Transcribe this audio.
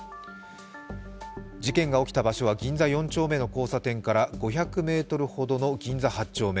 事件が起きた場所は銀座４丁目の交差点から５００ｍほどの銀座８丁目。